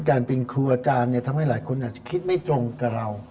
การเป็นครูอาจารย์ทำให้หลายคนอาจจะคิดไม่ตรงกับเรา